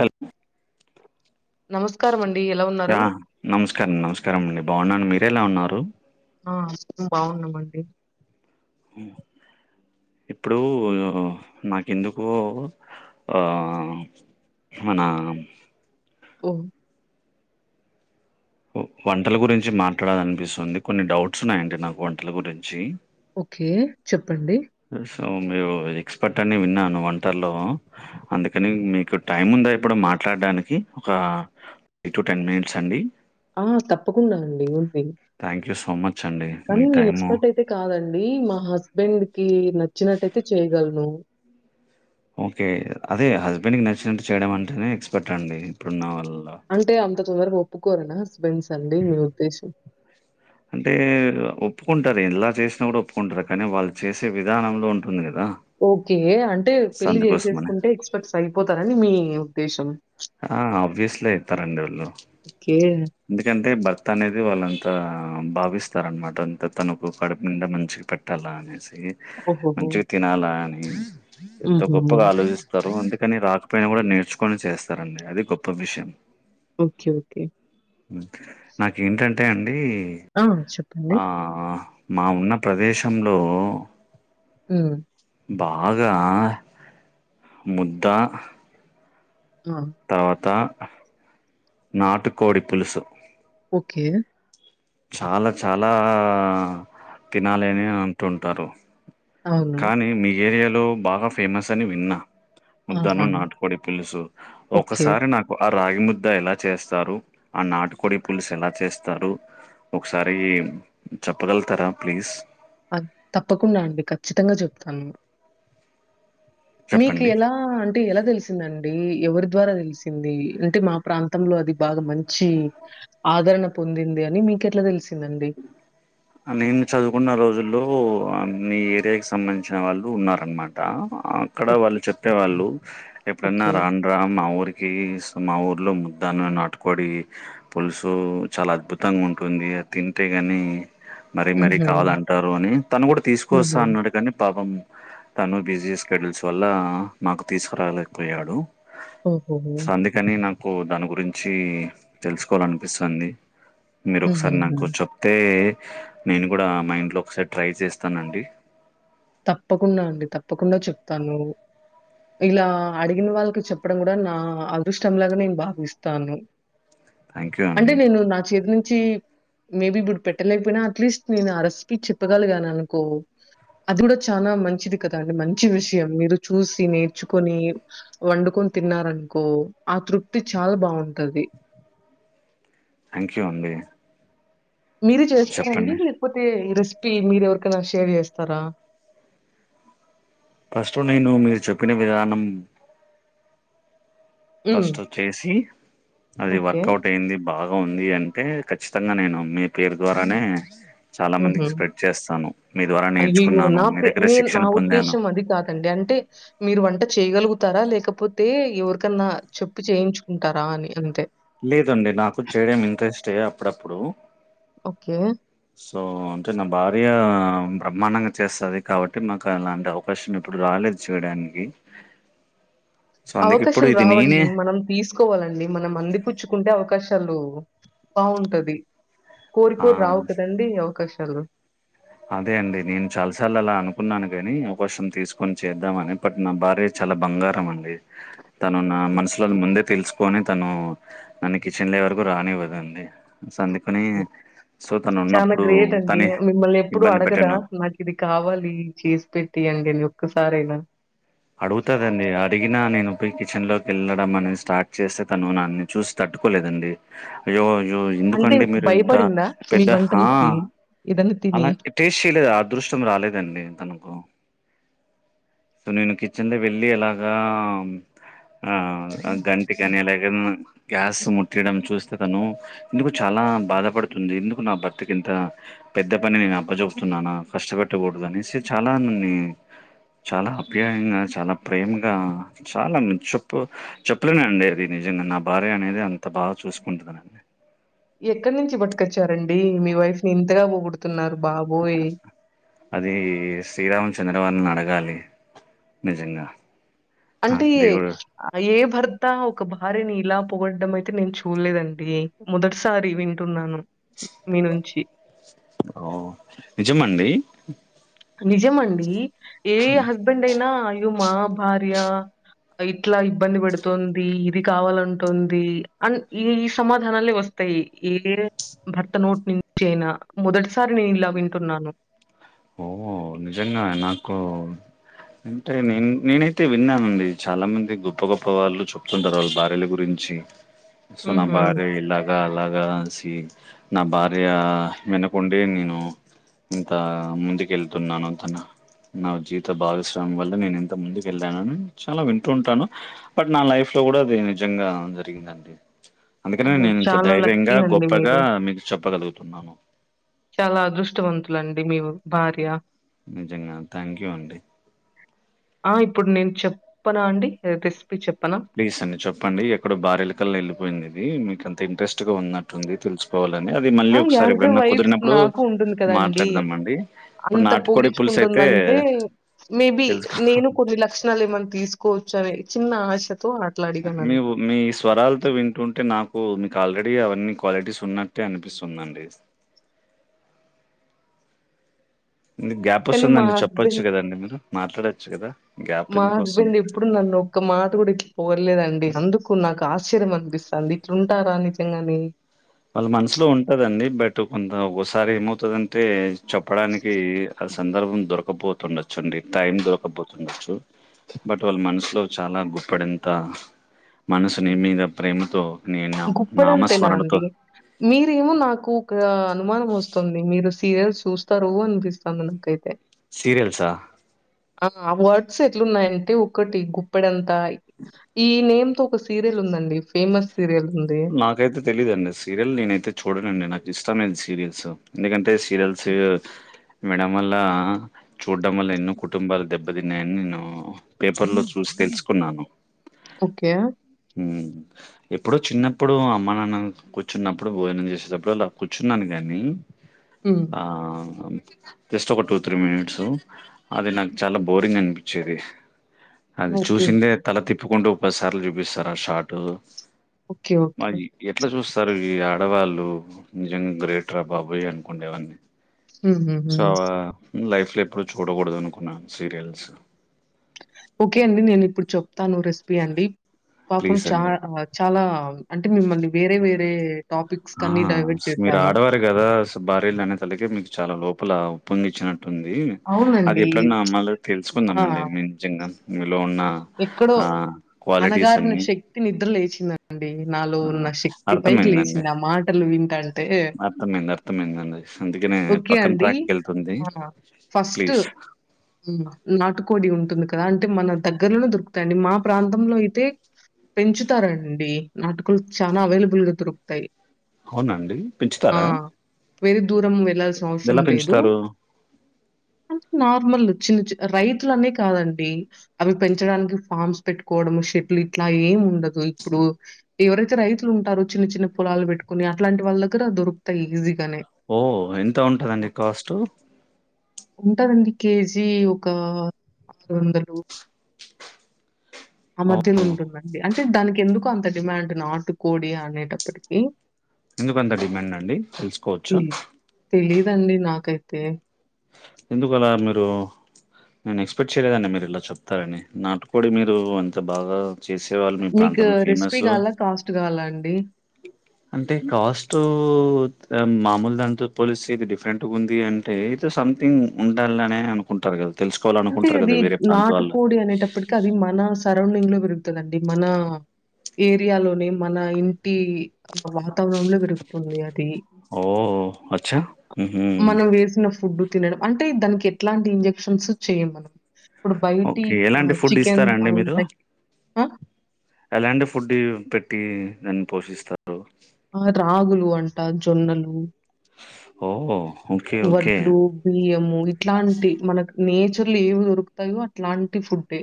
Hello నమస్కారం అండ్ ఆ నమస్కారం నమస్కారం అండి బాగున్నాను మీరెలా ఉన్నారు. ఆ బాగున్నామండి ఊ ఇప్పుడూ నాకెందుకో ఆ ఏమన్నా అం ఓహ్ వంటల గురించి మాట్లాడాలనిపిస్తుంది కొన్ని డౌట్స్ ఉన్నాయండి నాకు వంటల గురించీ. ఒకే చెప్పండి. అవును మీరు ఎక్స్పర్ట్ అని విన్నాను వంటల్ లో అందుకని మీకు టైం ఉందా ఇప్పుడు మాట్ ట్లాడడానికి ఒకా [inaudible] టు టెన్ మినిట్స్ అండి. ఆ తప్పకుండా అండి ఉంది. క్యు సో మచ్ అండి మీ కానీ నేను టైము ఎక్స్పర్ట్ అయితే కాదండీ మా హస్బెండ్. కీ నచ్చినట్టైతే చేయగలను. ఓకే అదే హస్బెండ్ కి నచ్చినట్టు చేయడం అంటేనే ఎక్స్పెక్ట్ అండి ఇప్పుడున్న వాళ్ళ్ అంటే అంత తొందరగా ఒప్పుకోరు అనా హస్బెండ్స్ అండి మీ ఉద్దేశం. అంటే ఒప్పుకుంటారు ఎలా చేశినా కూడా ఒప్పుకుంటారు కానీ వాళ్ళు చేసే విధానంలో ఉంటుంది గద. ఓకే అంటే పెళ్లి సందుకోసమని. చేసేసుకుంటే ఎక్స్పర్ట్స్ అయిపోతారని మీ ఉద్దేశం. ఆ ఆబ్వియస్లీ అయితారండి వాళ్ళు ఓకే. ఎందుకంటే బర్ తనేది వాళ్ళంతా భావిస్తార అనమాట అంత తనకు కడుపు నిండా మంచిగా పెట్టాలా అనేసి. ఈ ఓహోహో! మంచిగ తినాలా అని ఎంతో గొప్పగా హుహుహు. ఆలోచిస్తారు అందుక్ కని రాకపోయినా గూడా నేర్చుకొని చేస్తారండి అది గొప్ప విషయం. ఒకే ఒకే నాకేంటంటే అండీ ఆ! చెప్పండి. ఆ మా ఉన్న ప్రదేశంలో హ్ము బాగా ముద్దా ఆ! తర్వాతా నాటుకోడి పులుసు ఓకే చాలా చాలా తినాలి అని అంటుంటారు అవును. కానీ మీ ఏరియాలో బాగా ఫేమస్ అని విన్నా ముద్ద అను ఆహా! నాటుకోడి పులుసు ఓకే. ఒకసారి నాకు రాగి ముద్ద ఎలా చేస్తారు ఆ నాటుకోడి పులుసు ఎలా చేస్తారు ఒకసారి చెప్పగలుతారా ప్లీజ్ తప్పకుండా అండి ఖచ్చితంగా చెప్తాను మీకు చెప్పండి ఎలా అంటే ఎలా తెలిసిందండి ఎవరి ద్వారా తెలిసింది అంటే మా ప్రాంతంలో అది బాగా మంచి ఆదరణ పొందింది అని మీకెట్లా తెలిసిందండి ఆ నేను చదువుకున్న రోజుల్లో మీ ఏరియాకిి సంబంధించిన వాళ్ళు ఉన్నారనమాట అక్కడ ఓ వాళ్ళు చెప్పేవాళ్ళు ఎప్పుడైనా ఓకే. రాండి రా మా ఊరికి మా ఊర్లో ముద్ద అను నాటుకోడి పులుసు చాలా అద్భుతంగా ఉంటుంది తింటేగా కాని మర మరీ హుహు. కావాలంటారు అని తను కూడా తీసుకొస్తా హుహు. అన్నాడు కాని పాపం తను బిజీ షేడ్యుల్స్ వల్ల మాకు తీసుకురాలేకపోయాడు ఓహోహో కో దాని గురించి తెలుసుకోవాలనిపిస్తుంది మీరు ఒకసారి హుహుహు. నాకు చెప్తే నేను కూడా మా ఇంట్లో లో ఒకసారి ట్రై చేస్తానండి తప్పకుండా అండి తప్పకుండా చెప్తాను ఇలా అడిగిన వాళ్ళకి చెప్పడం కూడా నా అదృష్టంలాగా నేను భావిస్తాను థ్యాంక్ యూ అంటే అండి నేను నా చేతి నుంచి చి మేబి ఇప్పుడు పెట్టలేకపోయినా అట్లీస్ట్ నేను ఆ రెస్పి చెప్పగలిగాను అనుకో అది కూడా చాలా మంచిది కదా అండి మంచి విషయం మీరు చూసి నేర్చుకొని వండుకొని తిన్నారనుకో ఆ తృప్తి చాలా బాగుంటది థాంక్యూ అండి మీరు చేస్తారండి చెప్పండి లేకపోతే ఈ రెస్ పి మీరు ఎవరికైనా షేర్ చేస్తారా ఫస్ట్ నేను మీరు చెప్పిన విధానం హ్మ్. ఫస్ట్ వచ్చేసి అది ఓకే. వర్కౌట్ అయింది బాగా ఉంది అంటే ఖచ్చితంగా నేను మీ పేరు ద్వారానే చాలా హుహు. మందికి స్ప్రెడ్ చేస్తాను మీ ద్వారా అయ్యయ్యో! నేర్చుకున్నాను నా మీ పే దగ్గర శిక్షణ పొందాను టే మీరు వంట చేయగలుగు తార లేకపోతే ఎవరికన్నా చెప్పి చేయించుకుంటారా అని అంతే లేదండి నాకు చేయడం ఇంట్రెస్ట్ యే అప్పుడప్పుడు ఓకే. సో అంటే నా భార్య బ్రహ్మాండంగా చేస్తది కాబట్టి మాకు అలాంటి అవకాశం ఎప్పుడు రాల డానికి అవకాశాలు రావండి మనం తీసుకోవాలండి మనం అందిపుచ్చుకుంటే అవకాశం లు బాగుంటది ఆ కోరికోరి రావు కదండి అవకాశాలు అదే అండి నేను చాలా సార్లు అలా అనుకున్నాను కాని అవకాసం తీసుకొని చేద్దామని బట్ నా భార్య చాలా బంగారం అండి తను నా మనసులోది ముందే తెలుసుకొని తను నన్ను కిచెన్ లో వరకు రానివ్వదండి సో అందుకని సో తను చాలా ఉన్నప్పుడు గ్రేట్ అండి తనే మిమ్మల్ని ఎప్పుడు ఇబ్బంది అడగదా పెట్టను నాకు ఇది కావాలి చేసి పెట్టి అండి అని ఒక్కసారయినా అడుగుతదండి అడిగినా నేను పోయి కిచెన్ లోకి వెళ్ళడం అనేది స్టార్ట్ చేస్తే తను నన్ను చూసి తట్ కట్టుకోలేదండి అయ్యో అయ్యో అంటే ఎందుకండి మీరు ఇంత భయపడిందా మీ పెద్ద హా వంటలకి ఏదన్నా తిని అలా టేస్ట్ చేయలేదు అదృష్టం రాలేదండి తనూక సో నేను కిచెన్ లో వెళ్ళి ఇలాగా ఆ గంటి గానియాలనూ గ్యాస్ ముట్టియడం చూస్తే తను ఇందుకు చాలా ఆ బాధపడుతుంది ఎందుకు నా భర్తకి ఇంత పెద్ద పని నేను అప్పచెప్తున్నానా కష్టపెట్టకూడదనేసి చాలా నన్ని చాలా అప్యాయంగా చాలా ప్రేమగా చాలా చెప్పు చెప్పలేనండి దీని నిజంగా నా భార్య అనేది అంత బాగా చూసుకుంటుదండి ఎక్కడి నుంచి పట్టుకొచ్చారండి మీ వైఫ్ ని ఇంతగా పోగుడుతున్నారు అది శ్రీరామ చంద్ర వాళ్ళని అడగాలి నిజంగా ఆ! అంటే దేవుడు ఏ భర్త ఒక భార్య నీ ఇలా పొగొడ్డం అయితే నేను చూడలేదండి మొదటిసారి వింటున్నాను మీ నుంచి ఓ నిజమా అండి నిజమండి ఏ హస్బెండ్ అయినా అయ్యో మా భార్య ఇట్లా ఇబ్బంది పెడుతుంది ఇది కావాలంటుంది అం ఈ ఈ సమాధానాల వస్ తయి ఏ భర్త నోటి నుంచి అయినా మొదటిసారి నేను ఇలా వింటున్నాను ఓ నిజంగా నాకు అంటే నేన్ నేనైతే విన్నానండి చాలా మంది గొప్ప గొప్ప వాళ్ళు చెప్తుంటారు వాళ్ళు భార్యల గురిం చి సో నా హుహు. భార్య ఇలాగ అలాగ అనేసి నా భార్య వెనకుండే నేను ఇంత ముందుకేళ్తున్నాను ఆ తన నా జీవిత భావిస్వామి వల్ల నేను ఇంత ముందుకు వెళ్ళానని చాలా వింటూంటాను బట్ నా లైఫ్ లో కూడా అది నిజంగా జరిగిందండి అందుకనే ఓహో! నేను ఇంత చాలా ధైర్యంగా లక్కీ అండి గొప్పగా మీరు. మీకు చెప్పగలుగుతున్నాను చాలా అదృష్టవంతులండి మీ భార్య నిజంగా థ్యాంక్ యూ అండి ఆ! ఇప్పుడు నేను చెప్పనా అండి రెసిపీ చెప్ ప్లీజ్ అండి చెప్పండి ఎక్కడ బారెలకల్లి వెళ్ళిపోయింది ఇది మీక్ అంత ఇంట్రెస్ట్గా ఉన్నట్టుంది తెలుసుకోవాలి అది మళ్ళీ ఆ! ఒకసారి యాస్ ఎ ఎప్పుడన్నా వైఫ్ కుదిరినప్పుడు నాకు ఉంటుంది కదండీ. మాట్లాడదాం అండి అంత పొగిడిచుకుంటుందంటే మేబి తెలుసుకో నేను కొన్ని లక్షణాలు ఏమన్నా తీసుకోవచ్చు అని చిన్న ఆశ మీ ఉ మీ స్వరాలతో వింటుంటే నాకు మీకు ఆల్రెడీ అవన్నీ క్వాలిటీస్ ఉన్నట్టే అనిపిస్తుందండి ఇందు గ్యాప్ కానీ మా వస్తుందండి చెప్పొచ్చు హస్బెండ్ కదండి మీరు మాట్లాడచ్చు కదా గ్యాప్ మా ఎందుకొస్తుంది హస్బెండ్ ఎప్పుడు నన్ను ఒక్క మాట కూడా ఇట్లా పోవట్లే లేదండి అందుకు నాకు ఆశ్చర్యం అనిపిస్తుంది ఇట్లుంటారా నిజంగానే వాళ్ళ మనసులో ఉంటదండి బట్ కొంత ఒకసారి ఏమవుతదంటే చెప్పడానికి ఆ సందర్భం దొరకపోతుండొచ్చు అండి టైం దొరకపోతుండచ్చు బట్ వాళ్ళ మనసులో చాలా గుప్పడంత మనసు నీ మీద ప్రేమతో నీ నా గొప్పడంతేనా నామస్మరణతో అండి? మీరేమో నాకు ఒక అనుమానం వస్తుంది మీరు సీరియల్స్ చూస్తారు అనిపిస్తోంది నాకైతే సీరియల్సా ఆ వర్డ్స్ ఎట్లున్నాయి అం టే ఒకటి గుప్పెడంతా ఈ నేమ్ తో ఒక సీరియల్ ఉందండి ఫేమస్ సీరియల్ ఉంది. నాకైతే తేలేదండీ సీరియల్ నేనైతే చూడంనండి నాకు ఇష్టం లేదు సీరియల్స్ ఎందుకంటే సీరియల్స్ మేడం వల్ల చూడ్డం వల్ల ఎన్నో కుటుంబాలు దెబ్బతిన్నాయని నేను పేపర్ లో చూస్త తెలుసుకున్నాను ఓకే ఉమ్ ఎప్పుడో చిన్న అప్పుడు అమ్మ నాన్న కూర్చున్నప్పుడు భోజనం చేసేటప్పుడు అలా కూర్చున్నాను కానీ హ్మ్. ఆ జస్ట్ ఒక టూ త్రీ మినిట్స్ అది నాకు చాలా బోరింగ్ అనిపించేది అది ఓకే. చూసిందే తల తిప్పుకుంటూ ఒక పదిసార్లు చూపిస్తారు ఆ షార్ట్ ఓకే. ఓకే. మరీ ఎట్లా చూస్తారు ఈ ఆడవాళ్ళు నిజంగా గ్రేట్ రా బాబాయ్ అనుకోండేవన్నీ ఉహు లైఫ్ లో ఎప్పుడూ చూడకూడదు అనుకున్నాను సీరియల్స్ ఓకే అండి నేను ఇప్పుడు చెప్తాను రెసిపీ అండి పాపం ప్లీజ్ అండి చాలా చాలా అంటే మిమ్మల్ని వేరే వేరే టాపిక్స్ ఆ కన్నీ డైవర్ట్ మీరు చేశాను. ఆడవారు కదా సో భార్యలు అనే తలకి మీకు చాలా లోపల ఉప్పొం [inaudible] ఉంటుంది అది అవునండి. ఎప్పుడైనా మళ్ళ ఆ! తెలుసుకుందామండి నిజంగా లో ఉన్న ఎక్కడో ఆ క్వాలిటీస్ అన్ని అండి నాలో ఉన్న శక్తి పైకి అర్థమైందండి. లేచింది ఆ మాటలు వింటంటే అర్థమైంది. అర్థమైందండి. అందుకనే ఓకే పక్కన అండి ట్రాక్‌కెళ్తుంది. First please. నాటుకోడి ఉంటుంది కదా అంటే మన దగ్గరలోనే దొరు అండి మా ప్రాంతంలో అయితే పెంచుతారండి నాటుకోళ్ళు చానా అవైలబుల్ గా దొరుకుతాయి అవునండి పెంచుతారా వేర దూరం వెళ్లాల్సిన అవసరం ఎలా లేదు పెంచుతారు? అంటే నార్మల్ చిన్న చి రైతులనే కాదండి అవి పెంచడానికి ఫార్మ్స్ పెట్టుకోవడం షెట్లు ఇట్లా ఏం ఉండదు ఇప్పుడు ఎవరైతే రైతులు ఉంటారు చిన్న చిన్న పొలాలు పెట్టుకుని అట్లాంటి వాళ్ళ దగ్గర దొరుకుతాయి ఈజీ ఓ ఎంత ఉంటదండి కాస్ట్ ఉంటదండి కేజీ ఒక ఆరు వందలు ఆ మధ్యలో ఓహ్! ఉంటుందండి అంటే దానికి ఎందుకు అంత డిమాండ్ నాటుకోడి అనేటప్పటికి ఎందుకంత డిమాండ్ అండి తెలుసుకోవచ్చ దండి నాకైతే ఎందుకలా మీరు నేను ఎక్స్పెక్ట్ చేయలేదండి మీరు ఇలా చెప్తారని నాటుకోడి మీరు అంత బాగా చేసేవాళ్ళు మీ మీకు ప్రాంతంలో రెసిపీ ఫేమస్ కావాలా? కాస్ట్ కావాలా అండి? అంటే కాస్ట్ మామూలు దానితో పోలిస్తే ఇది డిఫరెంట్గా ఉంది అంటే సమ్థింగ్ ఉండాలనే అనుకుంటారు కదా తెలుసుకోవాల అంటే అనుకుంటారు కదా అది వేరే ప్రాంత నాటు వాళ్ళు కోడి అనేటప్పుటికి అది మన సరౌడింగ్ లో పెరుగుతది అండి మన ఏరియాలోనే మన ఇంటి వాతావరణంలో పెరుగుతుంది అది ఓ అచ్చా హు మనం వేసిన ఫుడ్ తినడం అంటే దానికి ఎట్లాంటి ఇంజెక్షన్స్ చేయము ఇప్పుడు బయటి ఓకే ఎలాంటి ఫుడ్ చికెన్ ఇస్తారండి మీరు ఉంటాయి ఆ ఎలాంటి ఫుడ్ పెట్టి దాన్ని పోషిస్తారు ఆ రాగులు అంట జొన్నలు ఓ ఓకే ఓకే వడ్లు బియ్యము ఇట్లాంటి మనకు నేచర్లో ఏవి దొరుకుతాయో అట్లాంటి ఫుడ్డే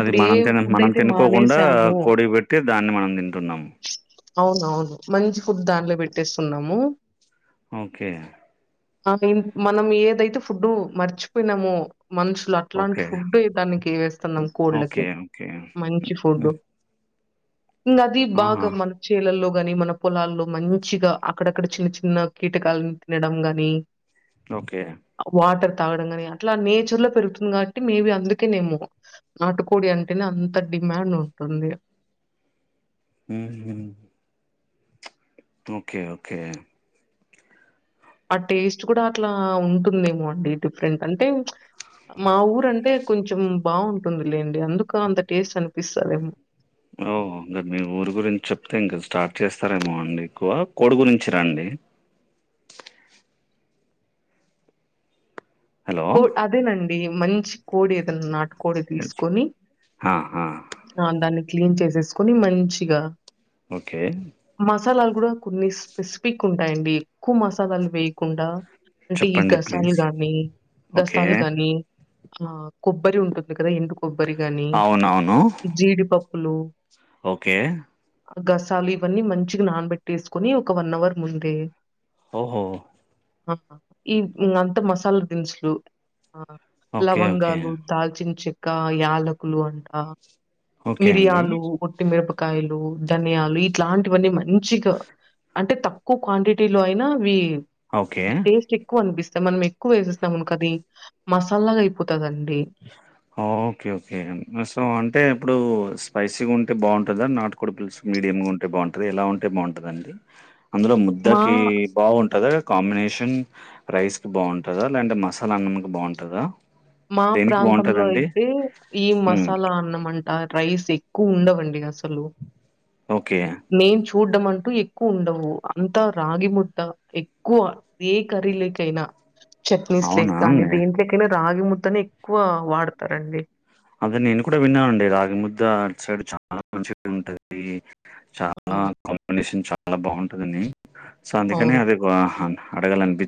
అది ఏ మనం తినం ఫుడ్ మనం అయితే తినుకోకుండా మానేసామో కోడి కి పెట్టి దాన్ని మనం తింటున్నాము అవునవును మంచి ఫుడ్ దానిలో పెట్టేస్తున్నాము ఓకే ఆ మనం ఏదైతే ఫుడ్ మర్చిపోయినామో మనుషులు అట్లాంటి ఓకే ఫుడ్డే దానికి వేస్ స్తున్నాం ఓకే కోళ్లకి ఓకే మంచి ఫుడ్ హ్మ్. ఉందది ఆహా బాగా మనకు చేలల్లో ని మన పొలాల్లో మంచిగా అక్కడక్కడ చిన్న చిన్న కీటకాలను తినడం గాని ఓకే వాటర్ తాగడం కానీ అట్లా నేచర్ లో పెరుగుతుంది కాబట్టి మేబీ అందుకే నేమో నాటుకోడి అంటేనే అంత డి మాండ్ ఉంటుంది ఊహూ ఓకే ఓకే ఆ టేస్ట్ కూడా అట్లా ఉంటుందేమో అండి డిఫరెంట్ అంటే మా ఊరంటే కొంచెం బావుంటుంది లేండి అందుకే అంత టేస్ట్ అనిపిస్తందేమో ఓ మీరు మీ ఊరి గురించి చెప్తే ఇంకా స్టార్ట్ చేస్తారేమో అండి ఎక్కువ కోడి గురించి రండి హలో కో అదేనండి మంచి కోడి ఏదన్నా నాటు కోడి ఎస్. తీసుకొని ఆ! ఆ! ఆ దాన్ని క్లీన్ చేసేసుకొని మంచిగా ఓకే మసాలాలు కూడా కొన్ని స్పెసిఫిక్ ఉంటాయండి ఎక్కువ మసాలాలు వేయకుండా అంటే ఈ చెప్పండి ప్లీజ్ గసాలుగాని ఓకే గసాలు గాని ఆ కొబ్బరి ఉంటుంది కదా ఎండు కొబ్బరి గాని అవునవును జీడిపప్పులు ఓకే గసాలు ఇవన్నీ మంచిగా నానబెట్టి వేసుకొని ఒక వన్ అవర్ ముందే ఓహో ఈ అంత మసాలా దినుసులు ఆ ఓకే ఓకే లవంగాలు దాల్చిన చెక్క యాలకులు అంట ఓకే అండి మిరియాలు ఒట్టిమిరపకాయలు ధనియాలు ఇట్లాంటివన్నీ మంచి మంచిగా అంటే తక్కువ క్వాంటిటీలో అయినాఅవి ఓకే టేస్ట్ ఎక్కువ అనిపిస్తు మనం ఎక్కువ వేసేస్తామనుకో అది మసాలాగా అయిపోతదండి ఓకే ఓకే సో అంటే ఇప్పుడు స్పైసీగా ఉంటే బావుంటదా నాట్ కోడి పుల్స్ మీడియం గా ఉంటే బావుంటదా ఎలా ఉంటే బావుంటందండి అందులో మా ముద్దకి బాగుంటద కాంబినేషన్ రైస్ కి బాగుంటుదా లే అంటే మసాలా అన్నం కి బాగుంటుద మా ప్రాంతంలో అయితే ఈ హ్మ్. మసాలా అన్నం అం రైస్ ఎక్కువ ఉండవండి అసలు ఓకే. మేం చూ చూడ్డం అంటూ ఎక్కువ ఉండవు అంతా రాగి ముద్ద ఎక్కువ ఏ కర్రీలేకైనా చట్నీ స్ లే అవునా కానీ అండి? దేంట్లోకైనా రాగి ముద్దనే ఎక్కువ వాడతారండి అదే నేను కూడా విన్నా అండి రాగి ముద్ద అటు సైడ్ చాలా మంచిగ ఉంటది చానా అవును. కాంబినేషన్ చాలా బావుంటుందండి సో అందుకనే అవును. అవే అడగాలన్పి